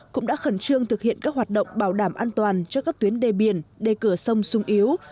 cũng đã khẩn trương thực hiện các hoạt động bảo đảm an toàn cho các tuyến đề biển đề cửa sông sung yếu